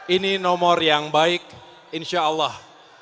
ini nomor yang baik insya allah